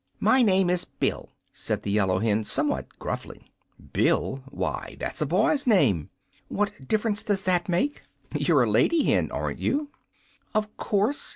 "My name is Bill," said the yellow hen, somewhat gruffly. "Bill! Why, that's a boy's name." "What difference does that make?" "You're a lady hen, aren't you?" "Of course.